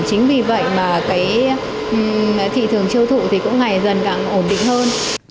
chính vì vậy mà cái thị thường chiêu thụ thì cũng ngày dần càng ổn định hơn